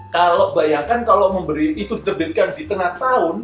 kalau bayangkan kalau memberi itu terdirikan di tengah tahun